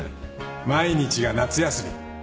毎日が夏休み。